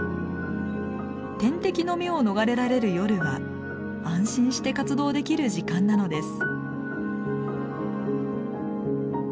天敵の目を逃れられる夜は安心して活動できる時間なのです。